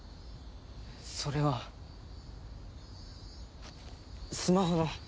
それはスマホの。